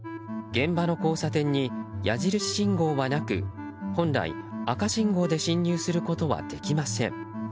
現場の交差点に矢印信号はなく本来、赤信号で進入することはできません。